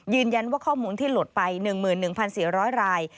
ยืนยันว่าข้อมูลที่หลดไป๑๑๔๐๐ราย